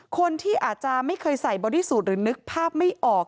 คนที่อาจจะไม่เคยใส่บริสุทธิ์หรือนึกภาพไม่ออก